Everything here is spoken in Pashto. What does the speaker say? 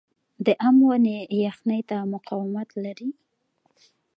د ام ونې یخنۍ ته مقاومت لري؟